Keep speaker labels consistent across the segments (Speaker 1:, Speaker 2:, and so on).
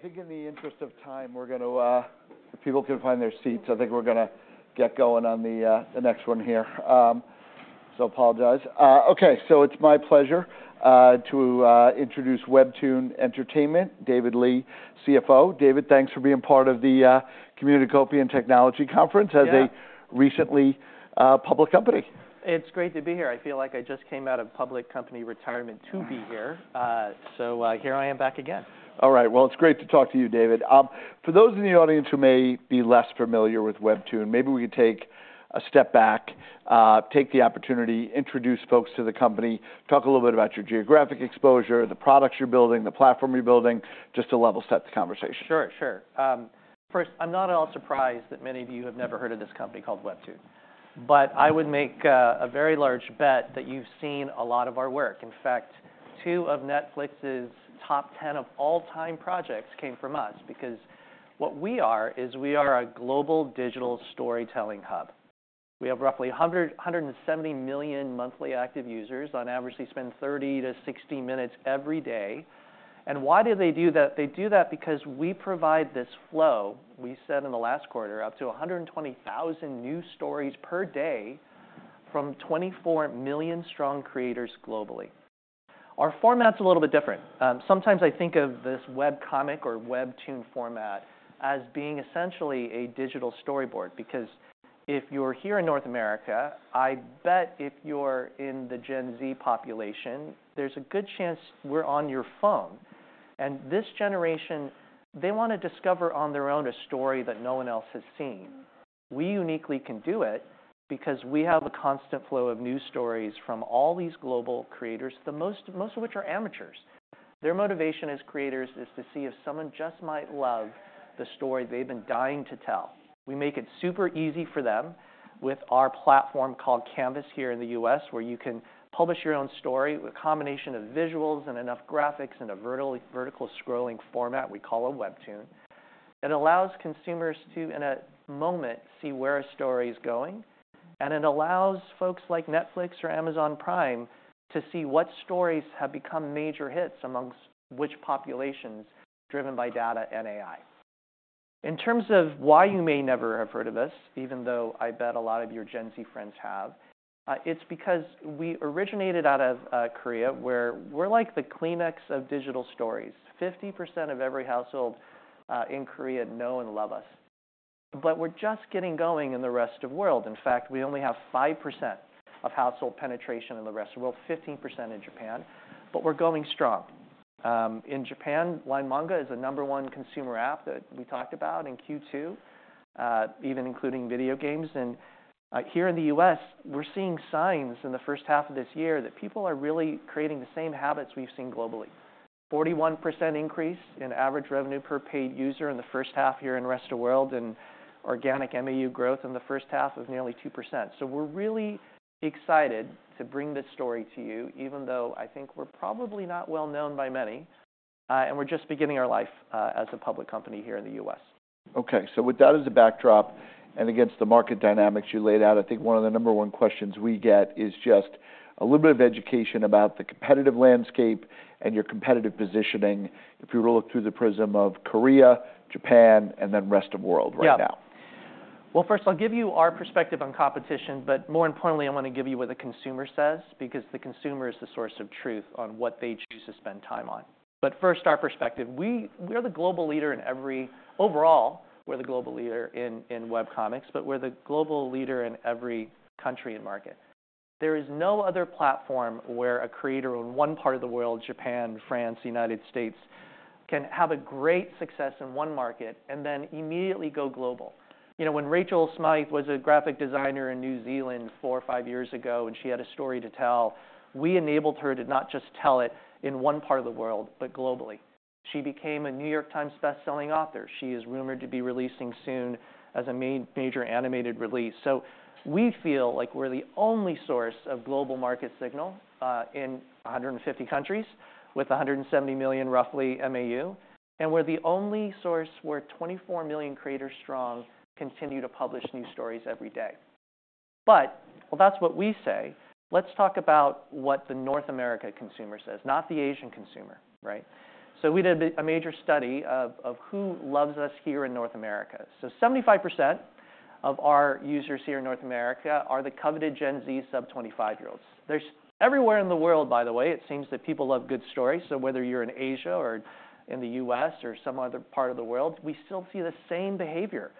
Speaker 1: Well, I think in the interest of time, we're gonna, if people can find their seats, I think we're gonna get going on the, the next one here. So apologize. Okay, so it's my pleasure to introduce WEBTOON Entertainment, David Lee, CFO. David, thanks for being part of the, Communacopia Technology Conference-
Speaker 2: Yeah
Speaker 1: -as a recently public company.
Speaker 2: It's great to be here. I feel like I just came out of public company retirement to be here. Here I am back again.
Speaker 1: All right, well, it's great to talk to you, David. For those in the audience who may be less familiar with WEBTOON, maybe we could take a step back, take the opportunity, introduce folks to the company, talk a little bit about your geographic exposure, the products you're building, the platform you're building, just to level-set the conversation.
Speaker 2: Sure, sure. First, I'm not at all surprised that many of you have never heard of this company called WEBTOON, but I would make a very large bet that you've seen a lot of our work. In fact, two of Netflix's top ten of all-time projects came from us, because what we are is we are a global digital storytelling hub. We have roughly 170 million monthly active users. On average, they spend 30-60 minutes every day. And why do they do that? They do that because we provide this flow, we said in the last quarter, up to 120,000 new stories per day from 24 million strong creators globally. Our format's a little bit different. Sometimes I think of this webcomic or WEBTOON format as being essentially a digital storyboard, because if you're here in North America, I bet if you're in the Gen Z population, there's a good chance we're on your phone. And this generation, they wanna discover on their own a story that no one else has seen. We uniquely can do it because we have a constant flow of new stories from all these global creators, the most of which are amateurs. Their motivation as creators is to see if someone just might love the story they've been dying to tell. We make it super easy for them with our platform called Canvas here in the US, where you can publish your own story with a combination of visuals and enough graphics in a vertical scrolling format we call a WEBTOON. It allows consumers to, in a moment, see where a story is going, and it allows folks like Netflix or Amazon Prime to see what stories have become major hits amongst which populations, driven by data and AI. In terms of why you may never have heard of us, even though I bet a lot of your Gen Z friends have, it's because we originated out of Korea, where we're like the Kleenex of digital stories. 50% of every household in Korea know and love us, but we're just getting going in the rest of world. In fact, we only have 5% of household penetration in the rest of world, 15% in Japan, but we're going strong. In Japan, LINE Manga is the number one consumer app that we talked about in Q2, even including video games. Here in the U.S., we're seeing signs in the first half of this year that people are really creating the same habits we've seen globally. 41% increase in average revenue per paid user in the first half year in the rest of world, and organic MAU growth in the first half was nearly 2%. We're really excited to bring this story to you, even though I think we're probably not well known by many, and we're just beginning our life, as a public company here in the U.S.
Speaker 1: Okay, so with that as a backdrop and against the market dynamics you laid out, I think one of the number one questions we get is just a little bit of education about the competitive landscape and your competitive positioning, if we were to look through the prism of Korea, Japan, and then rest of world right now.
Speaker 2: Yeah. Well, first, I'll give you our perspective on competition, but more importantly, I wanna give you what the consumer says, because the consumer is the source of truth on what they choose to spend time on. But first, our perspective. We're the global leader in every. Overall, we're the global leader in webcomics, but we're the global leader in every country and market. There is no other platform where a creator in one part of the world, Japan, France, the United States, can have a great success in one market and then immediately go global. You know, when Rachel Smythe was a graphic designer in New Zealand four or five years ago, and she had a story to tell, we enabled her to not just tell it in one part of the world, but globally. She became a New York Times best-selling author. She is rumored to be releasing soon as a major animated release, so we feel like we're the only source of global market signal in 150 countries, with 170 million, roughly, MAU, and we're the only source where 24 million creators strong continue to publish new stories every day, but well, that's what we say. Let's talk about what the North America consumer says, not the Asian consumer, right, so we did a major study of who loves us here in North America, so 75% of our users here in North America are the coveted Gen Z sub-25-year-olds. Everywhere in the world, by the way, it seems that people love good stories, so whether you're in Asia or in the U.S. or some other part of the world, we still see the same behavior.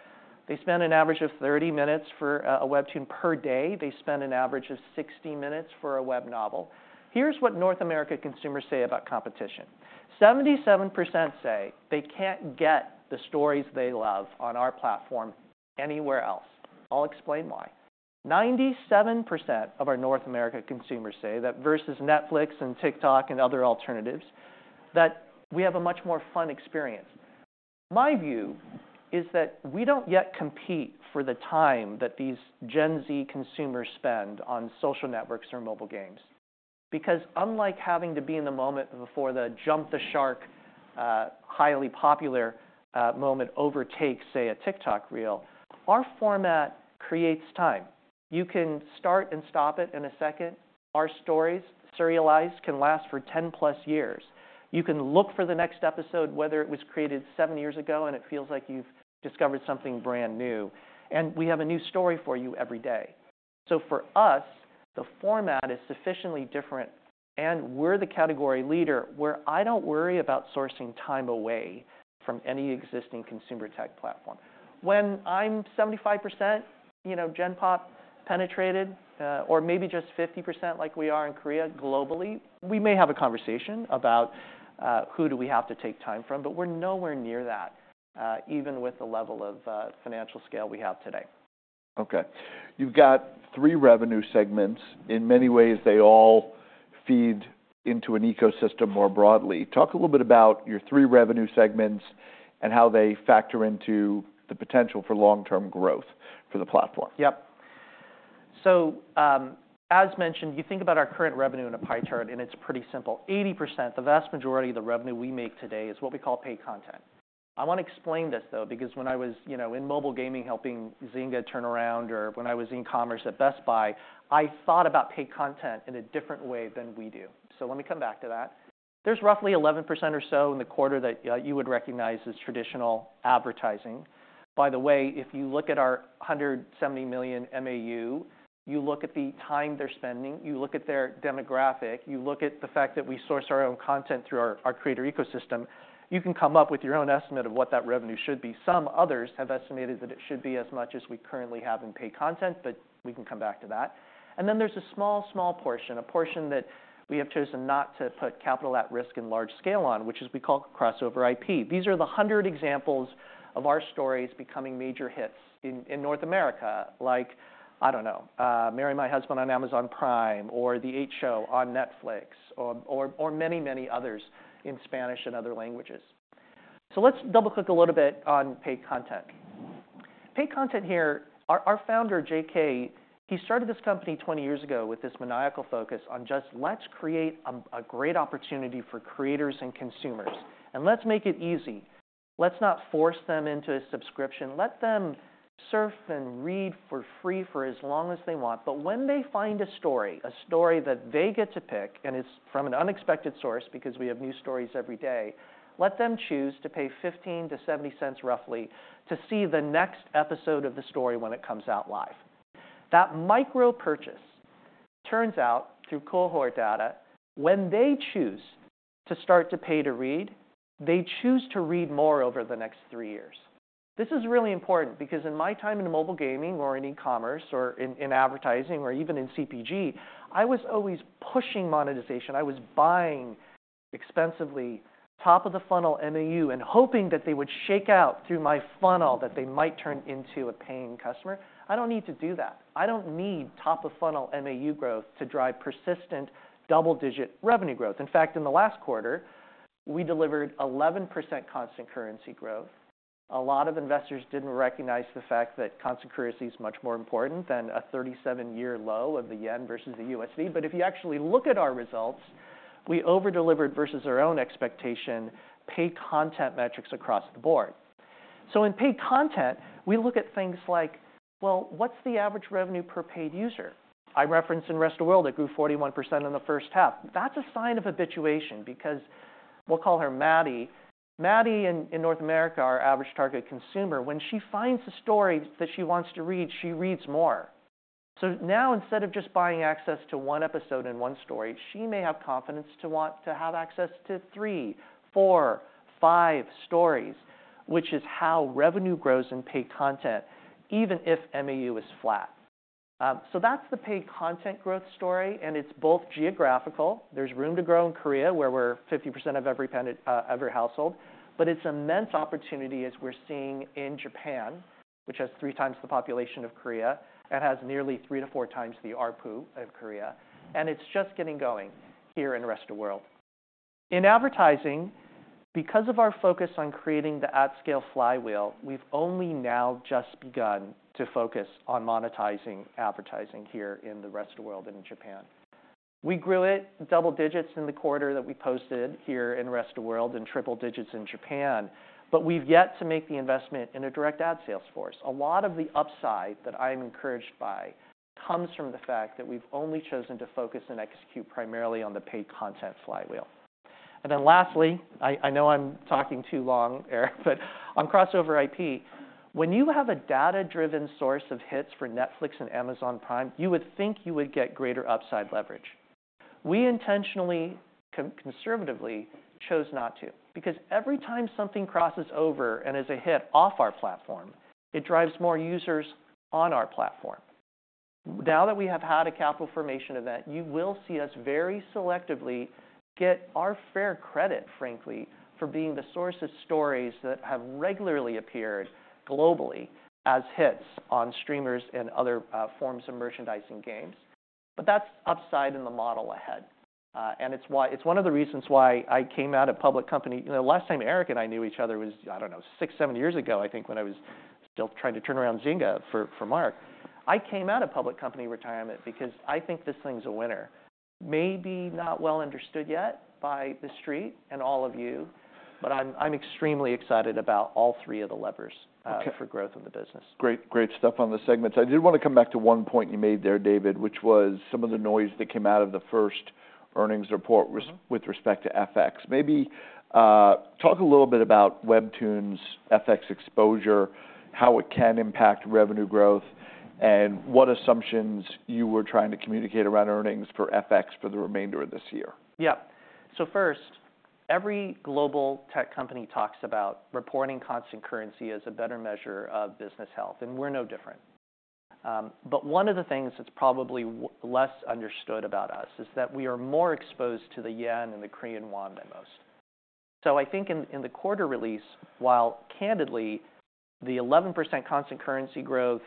Speaker 2: They spend an average of thirty minutes for a WEBTOON per day. They spend an average of sixty minutes for a web novel. Here's what North America consumers say about competition: 77% say they can't get the stories they love on our platform anywhere else. I'll explain why. 97% of our North America consumers say that, versus Netflix and TikTok and other alternatives, that we have a much more fun experience. My view is that we don't yet compete for the time that these Gen Z consumers spend on social networks or mobile games... because unlike having to be in the moment before the jump, the shark, highly popular, moment overtakes, say, a TikTok reel, our format creates time. You can start and stop it in a second. Our stories, serialized, can last for ten plus years. You can look for the next episode, whether it was created seven years ago, and it feels like you've discovered something brand new. We have a new story for you every day. For us, the format is sufficiently different, and we're the category leader, where I don't worry about sourcing time away from any existing consumer tech platform. When I'm 75%, you know, gen pop penetrated, or maybe just 50% like we are in Korea globally, we may have a conversation about who do we have to take time from, but we're nowhere near that, even with the level of financial scale we have today.
Speaker 1: Okay. You've got three revenue segments. In many ways, they all feed into an ecosystem more broadly. Talk a little bit about your three revenue segments and how they factor into the potential for long-term growth for the platform.
Speaker 2: Yep. So, as mentioned, you think about our current revenue in a pie chart, and it's pretty simple. 80%, the vast majority of the revenue we make today, is what we call Paid Content. I want to explain this, though, because when I was, you know, in mobile gaming, helping Zynga turn around, or when I was in commerce at Best Buy, I thought about Paid Content in a different way than we do. So let me come back to that. There's roughly 11% or so in the quarter that you would recognize as traditional advertising. By the way, if you look at our 170 million MAU, you look at the time they're spending, you look at their demographic, you look at the fact that we source our own content through our, our creator ecosystem, you can come up with your own estimate of what that revenue should be. Some others have estimated that it should be as much as we currently have in Paid Content, but we can come back to that. There is a small, small portion, a portion that we have chosen not to put capital at risk and large scale on, which we call crossover IP. These are the hundred examples of our stories becoming major hits in, in North America. Like, I don't know, Marry My Husband on Amazon Prime, or The 8 Show on Netflix, or many, many others in Spanish and other languages. So let's double-click a little bit on Paid Content. Paid content here, our founder, JK, he started this company twenty years ago with this maniacal focus on just, "Let's create a great opportunity for creators and consumers, and let's make it easy. Let's not force them into a subscription. Let them surf and read for free for as long as they want. But when they find a story, a story that they get to pick, and it's from an unexpected source, because we have new stories every day, let them choose to pay $0.15-$0.70 roughly to see the next episode of the story when it comes out live. That micro purchase turns out, through cohort data, when they choose to start to pay to read, they choose to read more over the next three years. This is really important because in my time in mobile gaming or in e-commerce or in advertising or even in CPG, I was always pushing monetization. I was buying expensively, top of the funnel MAU, and hoping that they would shake out through my funnel, that they might turn into a paying customer. I don't need to do that. I don't need top of funnel MAU growth to drive persistent double-digit revenue growth. In fact, in the last quarter, we delivered 11% constant currency growth. A lot of investors didn't recognize the fact that constant currency is much more important than a thirty-seven-year low of the yen versus the USD. But if you actually look at our results, we over-delivered versus our own expectation, paid content metrics across the board. So in paid content, we look at things like, well, what's the average revenue per paid user? I referenced in rest of world, it grew 41% in the first half. That's a sign of habituation because we'll call her Maddie. Maddie, in North America, our average target consumer, when she finds a story that she wants to read, she reads more. So now, instead of just buying access to one episode and one story, she may have confidence to want to have access to three, four, five stories, which is how revenue grows in paid content, even if MAU is flat. So that's the paid content growth story, and it's both geographical. There's room to grow in Korea, where we're 50% of every household, but it's immense opportunity as we're seeing in Japan, which has three times the population of Korea and has nearly three to four times the ARPU of Korea, and it's just getting going here in the rest of world. In advertising, because of our focus on creating the at-scale flywheel, we've only now just begun to focus on monetizing advertising here in the rest of world and in Japan. We grew it double digits in the quarter that we posted here in rest of world, and triple digits in Japan, but we've yet to make the investment in a direct ad sales force. A lot of the upside that I'm encouraged by comes from the fact that we've only chosen to focus and execute primarily on the paid content flywheel. Then lastly, I, I know I'm talking too long, Eric, but on crossover IP, when you have a data-driven source of hits for Netflix and Amazon Prime, you would think you would get greater upside leverage. We intentionally conservatively chose not to, because every time something crosses over and is a hit off our platform, it drives more users on our platform. Now that we have had a capital formation event, you will see us very selectively get our fair credit, frankly, for being the source of stories that have regularly appeared globally as hits on streamers and other forms of merchandising games, but that's upside in the model ahead, and it's one of the reasons why I came out of public company. You know, last time Eric and I knew each other was, I don't know, six, seven years ago, I think, when I was still trying to turn around Zynga for Mark. I came out of public company retirement because I think this thing's a winner. Maybe not well understood yet by The Street and all of you, but I'm extremely excited about all three of the levers for growth in the business.
Speaker 1: Great, great stuff on the segments. I did wanna come back to one point you made there, David, which was some of the noise that came out of the first earnings report.
Speaker 2: Mm-hmm
Speaker 1: -with respect to FX. Maybe, talk a little bit about WEBTOON's FX exposure, how it can impact revenue growth, and what assumptions you were trying to communicate around earnings for FX for the remainder of this year?
Speaker 2: Yeah. So first, every global tech company talks about reporting constant currency as a better measure of business health, and we're no different. But one of the things that's probably less understood about us is that we are more exposed to the yen and the Korean won than most. So I think in the quarter release, while candidly, the 11% constant currency growth,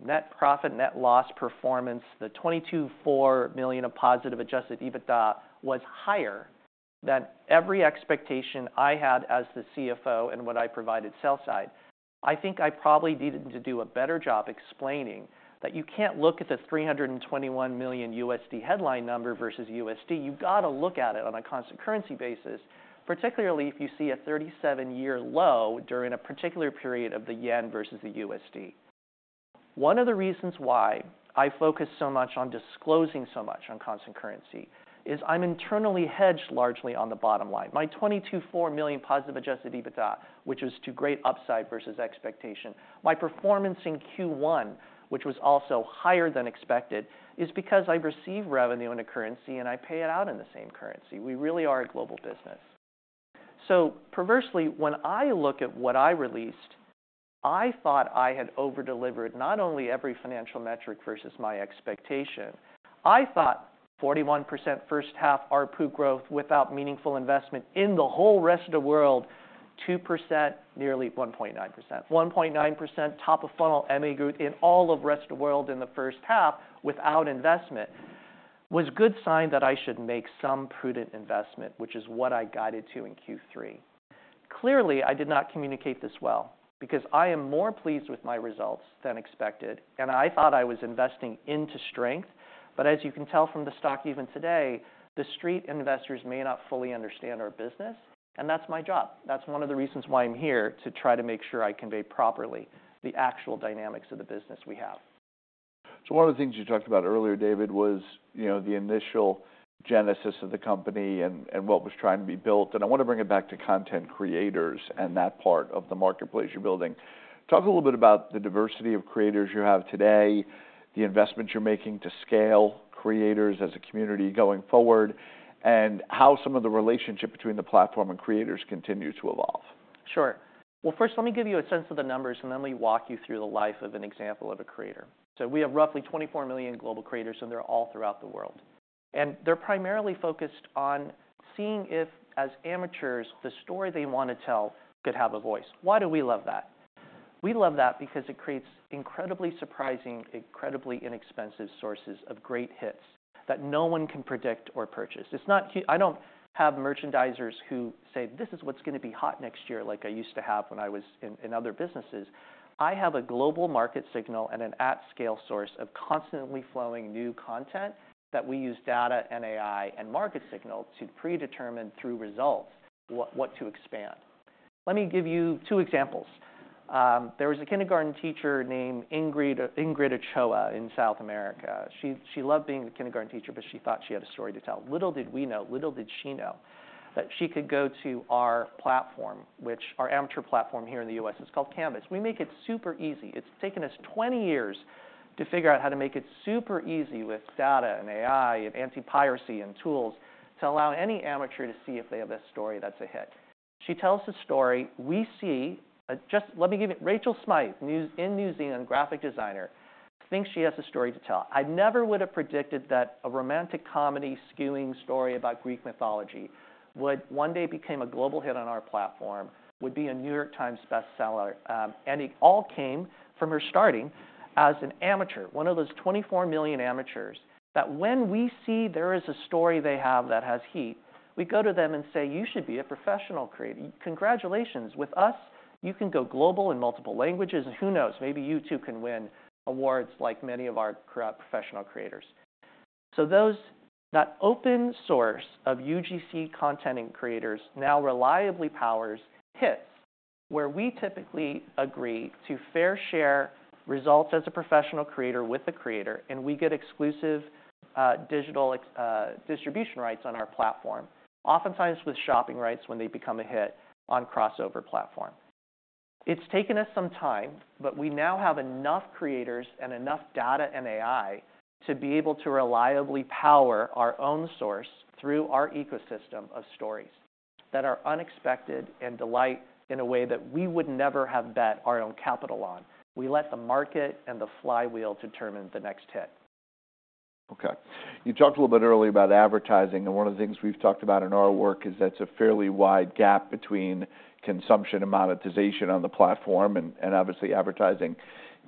Speaker 2: the net profit/net loss performance, the $22.4 million of positive adjusted EBITDA, was higher than every expectation I had as the CFO and what I provided sell side. I think I probably needed to do a better job explaining that you can't look at the $321 million USD headline number versus USD. You've got to look at it on a constant currency basis, particularly if you see a thirty-seven-year low during a particular period of the yen versus the USD. One of the reasons why I focus so much on disclosing so much on constant currency is I'm internally hedged largely on the bottom line. My $22.4 million positive adjusted EBITDA, which is to great upside versus expectation, my performance in Q1, which was also higher than expected, is because I receive revenue in a currency and I pay it out in the same currency. We really are a global business. So perversely, when I look at what I released, I thought I had over-delivered not only every financial metric versus my expectation. I thought 41% first half ARPU growth without meaningful investment in the whole rest of the world, 2%, nearly 1.9%. 1.9% top-of-funnel MAU in all of the rest of the world in the first half without investment was a good sign that I should make some prudent investment, which is what I guided to in Q3. Clearly, I did not communicate this well, because I am more pleased with my results than expected, and I thought I was investing into strength. But as you can tell from the stock, even today, The Street investors may not fully understand our business, and that's my job. That's one of the reasons why I'm here, to try to make sure I convey properly the actual dynamics of the business we have.
Speaker 1: So one of the things you talked about earlier, David, was, you know, the initial genesis of the company and what was trying to be built, and I want to bring it back to content creators and that part of the marketplace you're building. Talk a little bit about the diversity of creators you have today, the investments you're making to scale creators as a community going forward, and how some of the relationship between the platform and creators continue to evolve.
Speaker 2: Sure. Well, first, let me give you a sense of the numbers, and then let me walk you through the life of an example of a creator. So we have roughly 24 million global creators, and they're all throughout the world. And they're primarily focused on seeing if, as amateurs, the story they want to tell could have a voice. Why do we love that? We love that because it creates incredibly surprising, incredibly inexpensive sources of great hits that no one can predict or purchase. It's not. I don't have merchandisers who say, "This is what's gonna be hot next year," like I used to have when I was in other businesses. I have a global market signal and an at-scale source of constantly flowing new content, that we use data and AI and market signal to predetermine through results what to expand. Let me give you two examples. There was a kindergarten teacher named Ingrid Ochoa in South America. She loved being a kindergarten teacher, but she thought she had a story to tell. Little did we know, little did she know, that she could go to our platform, which our amateur platform here in the U.S. is called Canvas. We make it super easy. It's taken us twenty years to figure out how to make it super easy with data and AI and anti-piracy and tools, to allow any amateur to see if they have a story that's a hit. She tells the story, we see. Rachel Smythe, New Zealander in New Zealand, graphic designer, thinks she has a story to tell. I never would have predicted that a romantic comedy-skewing story about Greek mythology would one day become a global hit on our platform, would be a New York Times bestseller, and it all came from her starting as an amateur, one of those twenty-four million amateurs, that when we see there is a story they have that has heat, we go to them and say, "You should be a professional creator. Congratulations. With us, you can go global in multiple languages, and who knows? Maybe you, too, can win awards like many of our professional creators." So that open source of UGC content and creators now reliably powers hits, where we typically agree to fair share results as a professional creator with the creator, and we get exclusive, digital, distribution rights on our platform, oftentimes with shopping rights when they become a hit on crossover platform. It's taken us some time, but we now have enough creators and enough data and AI to be able to reliably power our own source through our ecosystem of stories that are unexpected and delight in a way that we would never have bet our own capital on. We let the market and the flywheel determine the next hit.
Speaker 1: Okay... You talked a little bit earlier about advertising, and one of the things we've talked about in our work is that's a fairly wide gap between consumption and monetization on the platform, and obviously, advertising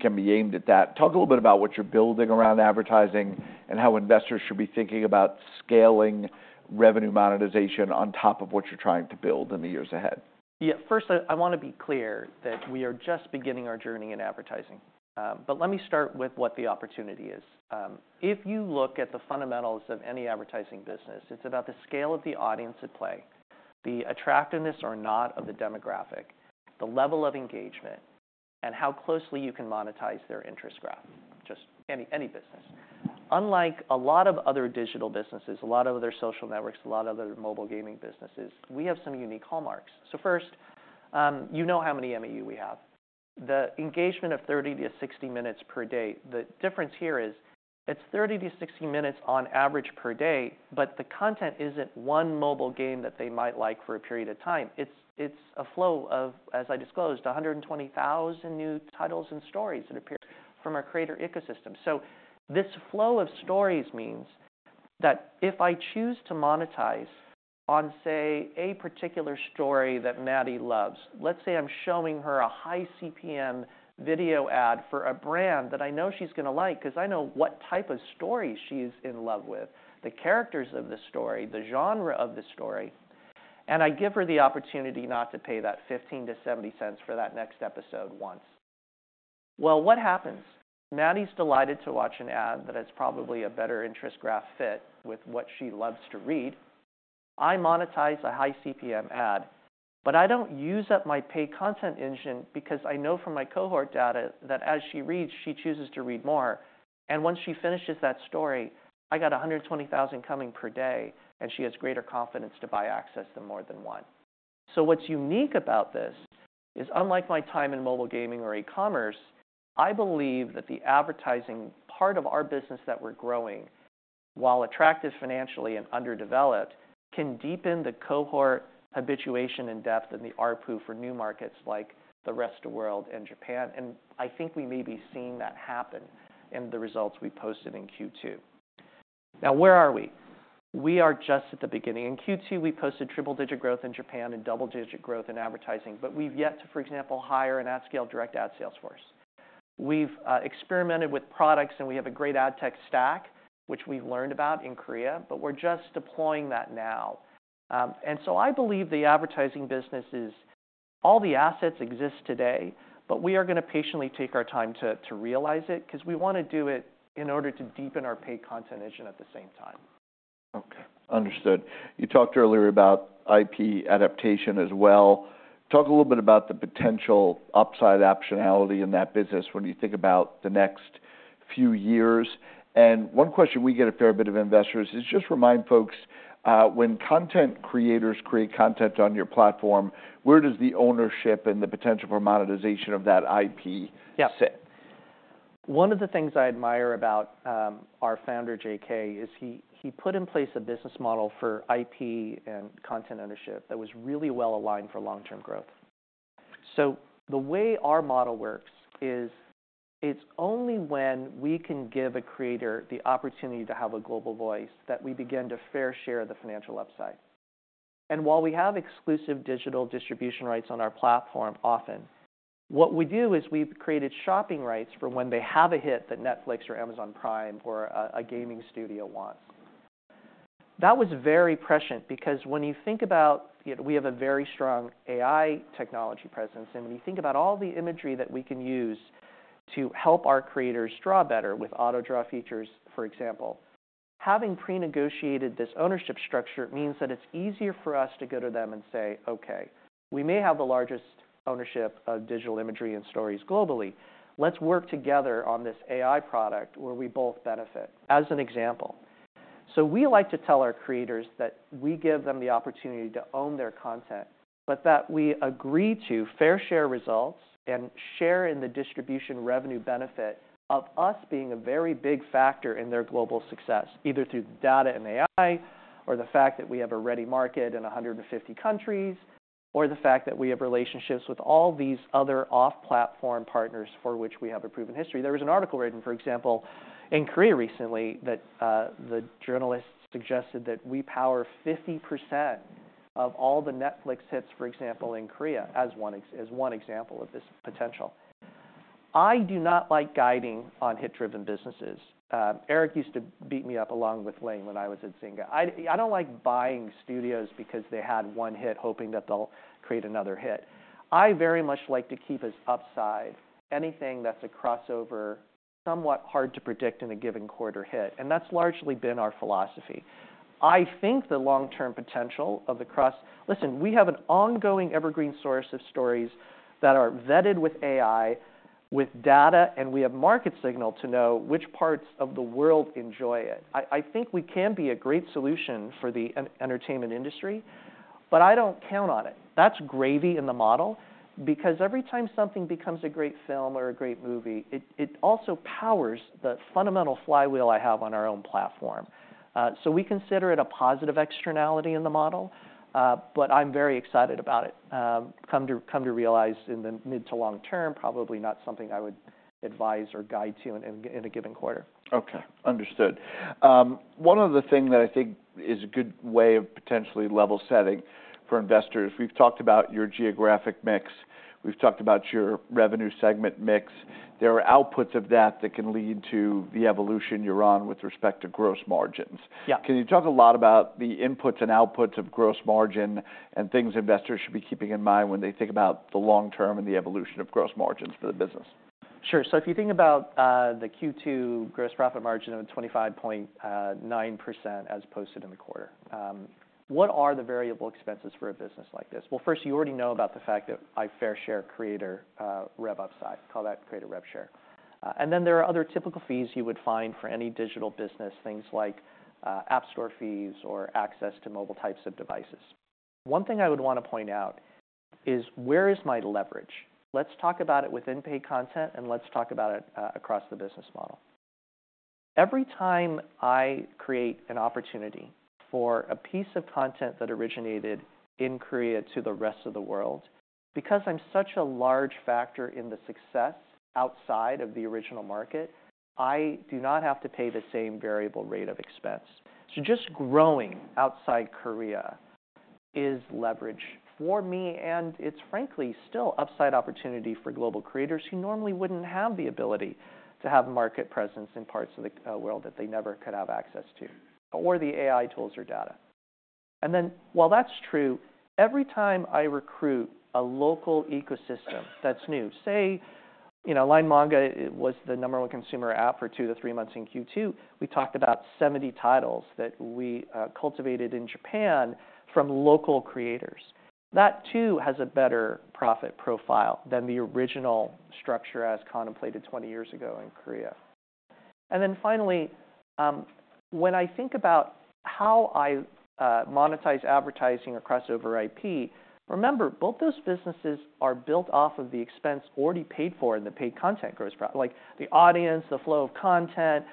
Speaker 1: can be aimed at that. Talk a little bit about what you're building around advertising, and how investors should be thinking about scaling revenue monetization on top of what you're trying to build in the years ahead.
Speaker 2: Yeah. First, I wanna be clear that we are just beginning our journey in advertising, but let me start with what the opportunity is. If you look at the fundamentals of any advertising business, it's about the scale of the audience at play, the attractiveness or not of the demographic, the level of engagement, and how closely you can monetize their interest graph. Just any business. Unlike a lot of other digital businesses, a lot of other social networks, a lot of other mobile gaming businesses, we have some unique hallmarks. First, you know how many MAU we have. The engagement of 30-60 minutes per day, the difference here is, it's 30-60 minutes on average per day, but the content isn't one mobile game that they might like for a period of time, it's, it's a flow of, as I disclosed, 120,000 new titles and stories that appear from our creator ecosystem. So this flow of stories means that if I choose to monetize on, say, a particular story that Maddie loves, let's say I'm showing her a high CPM video ad for a brand that I know she's gonna like, 'cause I know what type of story she's in love with, the characters of the story, the genre of the story, and I give her the opportunity not to pay that $0.15-$0.70 for that next episode once, well, what happens? Maddie's delighted to watch an ad that is probably a better interest graph fit with what she loves to read. I monetize a high CPM ad, but I don't use up my paid content engine because I know from my cohort data that as she reads, she chooses to read more. And once she finishes that story, I got 120,000 coming per day, and she has greater confidence to buy access to more than one. So what's unique about this, is unlike my time in mobile gaming or e-commerce, I believe that the advertising part of our business that we're growing, while attractive financially and underdeveloped, can deepen the cohort habituation and depth in the ARPU for new markets like the rest of world and Japan. And I think we may be seeing that happen in the results we posted in Q2. Now, where are we? We are just at the beginning. In Q2, we posted triple-digit growth in Japan and double-digit growth in advertising, but we've yet to, for example, hire an ad scale direct ad sales force. We've experimented with products, and we have a great ad tech stack, which we've learned about in Korea, but we're just deploying that now, and so I believe the advertising business is... All the assets exist today, but we are gonna patiently take our time to realize it, 'cause we wanna do it in order to deepen our paid content engine at the same time.
Speaker 1: Okay, understood. You talked earlier about IP adaptation as well. Talk a little bit about the potential upside optionality in that business when you think about the next few years. And one question we get a fair bit of investors, is just remind folks, when content creators create content on your platform, where does the ownership and the potential for monetization of that IP-
Speaker 2: Yeah
Speaker 1: -sit?
Speaker 2: One of the things I admire about our founder, JK, is he put in place a business model for IP and content ownership that was really well aligned for long-term growth, so the way our model works is, it's only when we can give a creator the opportunity to have a global voice, that we begin to fairly share the financial upside, and while we have exclusive digital distribution rights on our platform often, what we do is we've created shop rights for when they have a hit that Netflix or Amazon Prime or a gaming studio want. That was very prescient, because when you think about, you know, we have a very strong AI technology presence, and when you think about all the imagery that we can use to help our creators draw better with auto draw features, for example, having prenegotiated this ownership structure means that it's easier for us to go to them and say, "Okay, we may have the largest ownership of digital imagery and stories globally. Let's work together on this AI product where we both benefit," as an example. We like to tell our creators that we give them the opportunity to own their content, but that we agree to fair share results and share in the distribution revenue benefit of us being a very big factor in their global success, either through data and AI, or the fact that we have a ready market in 150 countries, or the fact that we have relationships with all these other off-platform partners for which we have a proven history. There was an article written, for example, in Korea recently, that the journalist suggested that we power 50% of all the Netflix hits, for example, in Korea, as one example of this potential. I do not like guiding on hit-driven businesses. Eric used to beat me up along with Lane when I was at Zynga. I don't like buying studios because they had one hit, hoping that they'll create another hit. I very much like to keep as upside anything that's a crossover, somewhat hard to predict in a given quarter hit, and that's largely been our philosophy. I think the long-term potential of the crossover. Listen, we have an ongoing evergreen source of stories that are vetted with AI, with data, and we have market signal to know which parts of the world enjoy it. I think we can be a great solution for the entertainment industry, but I don't count on it. That's gravy in the model, because every time something becomes a great film or a great movie, it also powers the fundamental flywheel I have on our own platform. So we consider it a positive externality in the model, but I'm very excited about it. Come to realize in the mid to long term, probably not something I would advise or guide to in a given quarter.
Speaker 1: Okay, understood. One other thing that I think is a good way of potentially level setting for investors, we've talked about your geographic mix.... We've talked about your revenue segment mix. There are outputs of that that can lead to the evolution you're on with respect to gross margins.
Speaker 2: Yeah.
Speaker 1: Can you talk a lot about the inputs and outputs of gross margin, and things investors should be keeping in mind when they think about the long term and the evolution of gross margins for the business?
Speaker 2: Sure, so if you think about the Q2 gross profit margin of 25.9% as posted in the quarter, what are the variable expenses for a business like this? Well, first, you already know about the fact that we fair share creator rev upside, call that creator rev share. And then there are other typical fees you would find for any digital business. Things like app store fees or access to mobile types of devices. One thing I would want to point out is, where is my leverage? Let's talk about it within paid content, and let's talk about it across the business model. Every time I create an opportunity for a piece of content that originated in Korea to the rest of the world, because I'm such a large factor in the success outside of the original market, I do not have to pay the same variable rate of expense. So just growing outside Korea is leverage for me, and it's frankly, still upside opportunity for global creators who normally wouldn't have the ability to have market presence in parts of the world that they never could have access to, or the AI tools or data. And then, while that's true, every time I recruit a local ecosystem that's new, say, you know, LINE Manga, it was the number one consumer app for two to three months in Q2. We talked about seventy titles that we cultivated in Japan from local creators. That, too, has a better profit profile than the original structure as contemplated twenty years ago in Korea, and then finally, when I think about how I monetize advertising across crossover IP, remember, both those businesses are built off of the expense already paid for in the paid content gross profit. Like, the audience, the flow of content,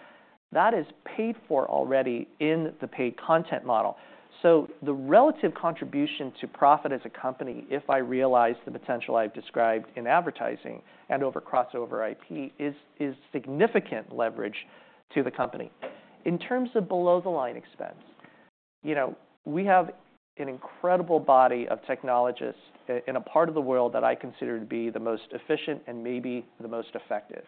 Speaker 2: that is paid for already in the paid content model. So the relative contribution to profit as a company, if I realize the potential I've described in advertising and over crossover IP, is significant leverage to the company. In terms of below-the-line expense, you know, we have an incredible body of technologists in a part of the world that I consider to be the most efficient and maybe the most effective.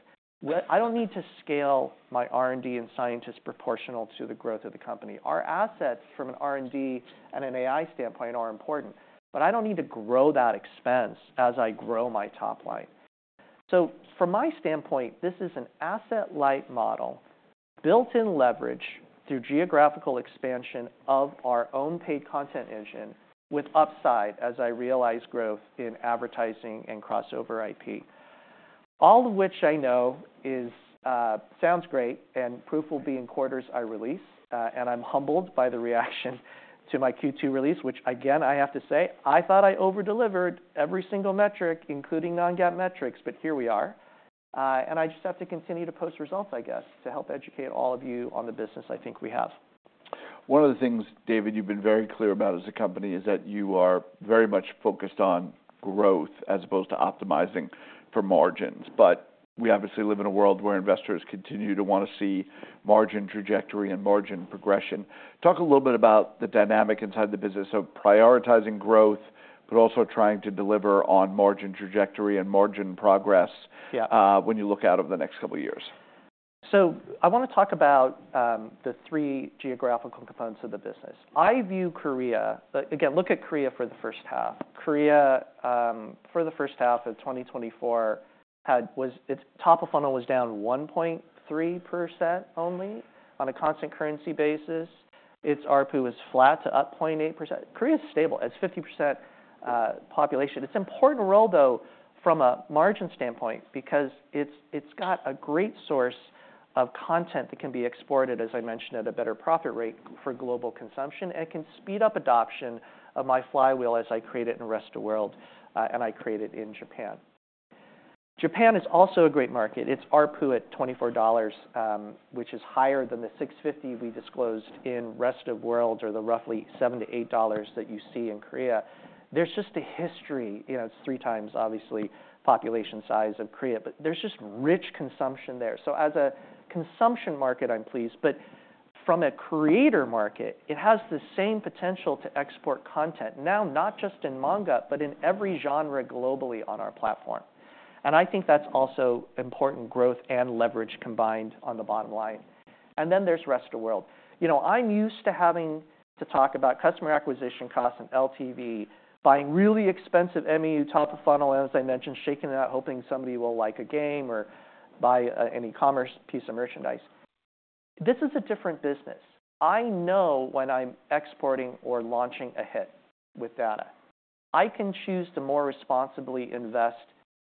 Speaker 2: I don't need to scale my R&D and scientists proportional to the growth of the company. Our assets from an R&D and an AI standpoint are important, but I don't need to grow that expense as I grow my top line, so from my standpoint, this is an asset-light model, built-in leverage through geographical expansion of our own paid content engine, with upside as I realize growth in advertising and crossover IP. All of which I know is sounds great, and proof will be in quarters I release, and I'm humbled by the reaction to my Q2 release, which again, I have to say, I thought I over-delivered every single metric, including non-GAAP metrics, but here we are, and I just have to continue to post results, I guess, to help educate all of you on the business I think we have.
Speaker 1: One of the things, David, you've been very clear about as a company, is that you are very much focused on growth as opposed to optimizing for margins. But we obviously live in a world where investors continue to want to see margin trajectory and margin progression. Talk a little bit about the dynamic inside the business of prioritizing growth, but also trying to deliver on margin trajectory and margin progression.
Speaker 2: Yeah
Speaker 1: When you look out over the next couple of years.
Speaker 2: I want to talk about the three geographical components of the business. I view Korea, but again, look at Korea for the first half. Korea for the first half of 2024, its top of funnel was down 1.3% only on a constant currency basis. Its ARPU is flat to up 0.8%. Korea is stable. It's 50% population. It's an important role, though, from a margin standpoint, because it's got a great source of content that can be exported, as I mentioned, at a better profit rate for global consumption, and can speed up adoption of my flywheel as I create it in the rest of world, and I create it in Japan. Japan is also a great market. It's ARPU at $24, which is higher than the $6.50 we disclosed in rest of world, or the roughly $7-$8 that you see in Korea. There's just a history. You know, it's three times, obviously, population size of Korea, but there's just rich consumption there. So as a consumption market, I'm pleased, but from a creator market, it has the same potential to export content, now not just in manga, but in every genre globally on our platform. I think that's also important growth and leverage combined on the bottom line. Then there's rest of world. You know, I'm used to having to talk about customer acquisition costs and LTV, buying really expensive MAU top of funnel, as I mentioned, shaking it out, hoping somebody will like a game or buy an e-commerce piece of merchandise. This is a different business. I know when I'm exporting or launching a hit with data. I can choose to more responsibly invest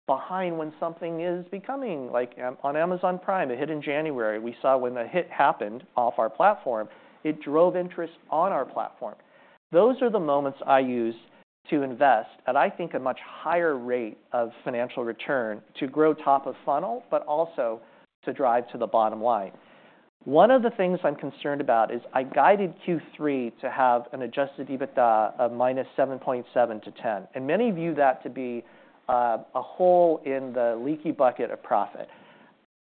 Speaker 2: behind when something is becoming, like, on Amazon Prime, a hit in January. We saw when the hit happened off our platform, it drove interest on our platform. Those are the moments I use to invest at, I think, a much higher rate of financial return to grow top of funnel, but also to drive to the bottom line. One of the things I'm concerned about is I guided Q3 to have an Adjusted EBITDA of -7.7 to 10. And many view that to be a hole in the leaky bucket of profit.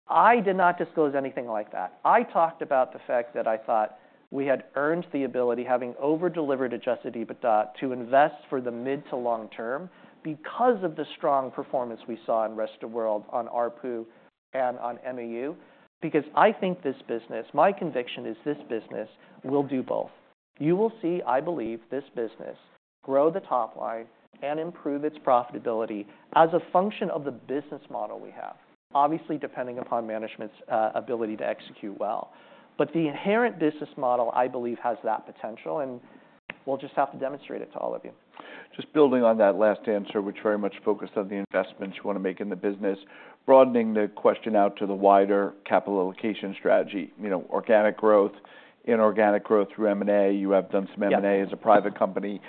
Speaker 2: I did not disclose anything like that. I talked about the fact that I thought we had earned the ability, having over-delivered Adjusted EBITDA, to invest for the mid to long term because of the strong performance we saw in Rest of World on ARPU and on MAU. Because I think this business, my conviction is this business will do both. You will see, I believe, this business grow the top line and improve its profitability as a function of the business model we have. Obviously, depending upon management's ability to execute well, but the inherent business model, I believe, has that potential, and we'll just have to demonstrate it to all of you.
Speaker 1: Just building on that last answer, which very much focused on the investments you wanna make in the business. Broadening the question out to the wider capital allocation strategy, you know, organic growth, inorganic growth through M&A. You have done some M&A-
Speaker 2: Yes
Speaker 1: -as a private company,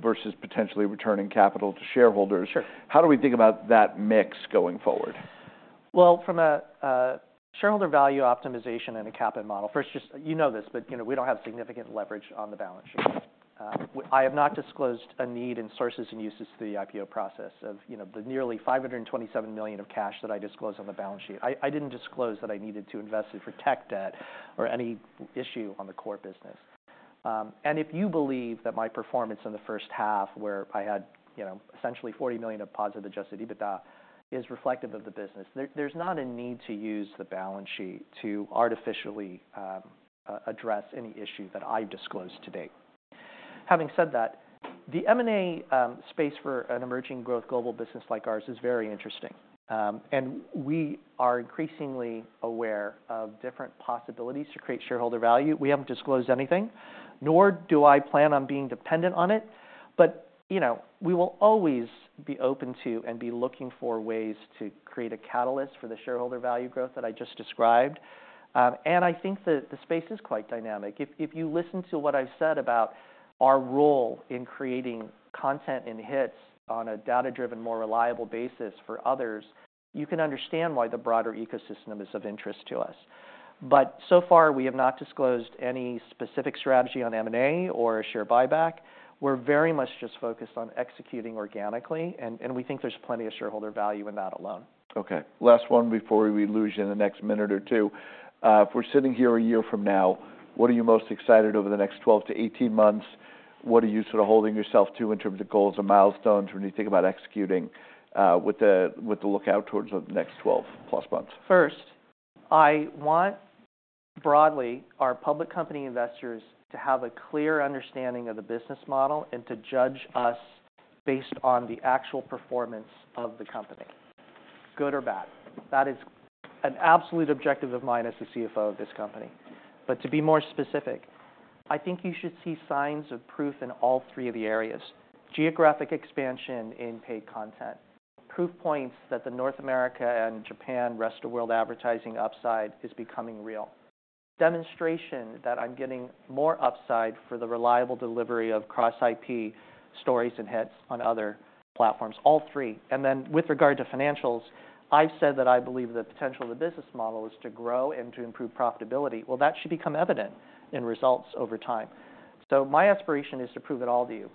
Speaker 1: versus potentially returning capital to shareholders.
Speaker 2: Sure.
Speaker 1: How do we think about that mix going forward?
Speaker 2: From a shareholder value optimization and a capital model, first, just you know this, but you know, we don't have significant leverage on the balance sheet. I have not disclosed a need in sources and uses to the IPO process of you know, the nearly $527 million of cash that I disclosed on the balance sheet. I didn't disclose that I needed to invest it for tech debt or any issue on the core business. And if you believe that my performance in the first half, where I had you know, essentially $40 million of positive Adjusted EBITDA, is reflective of the business, there's not a need to use the balance sheet to artificially address any issue that I've disclosed to date. Having said that, the M&A space for an emerging growth global business like ours is very interesting, and we are increasingly aware of different possibilities to create shareholder value. We haven't disclosed anything, nor do I plan on being dependent on it, but, you know, we will always be open to and be looking for ways to create a catalyst for the shareholder value growth that I just described, and I think that the space is quite dynamic. If you listen to what I've said about our role in creating content and hits on a data-driven, more reliable basis for others, you can understand why the broader ecosystem is of interest to us, but so far, we have not disclosed any specific strategy on M&A or share buyback. We're very much just focused on executing organically, and we think there's plenty of shareholder value in that alone.
Speaker 1: Okay, last one before we lose you in the next minute or two. If we're sitting here a year from now, what are you most excited over the next 12 to 18 months? What are you sort of holding yourself to in terms of goals or milestones when you think about executing with a look towards the next 12-plus months?
Speaker 2: First, I want, broadly, our public company investors to have a clear understanding of the business model and to judge us based on the actual performance of the company, good or bad. That is an absolute objective of mine as the CFO of this company, but to be more specific, I think you should see signs of proof in all three of the areas. Geographic expansion in paid content, proof points that the North America and Japan, Rest of World advertising upside is becoming real. Demonstration that I'm getting more upside for the reliable delivery of cross-IP stories and hits on other platforms, all three, and then, with regard to financials, I've said that I believe the potential of the business model is to grow and to improve profitability, well, that should become evident in results over time, so my aspiration is to prove it all to you.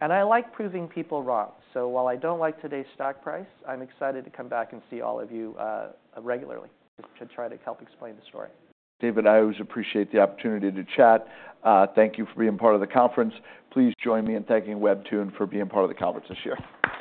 Speaker 2: And I like proving people wrong. So while I don't like today's stock price, I'm excited to come back and see all of you, regularly, to try to help explain the story.
Speaker 1: David, I always appreciate the opportunity to chat. Thank you for being part of the conference. Please join me in thanking WEBTOON for being part of the conference this year.